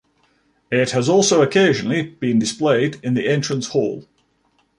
It has also occasionally been displayed in the Entrance Hall.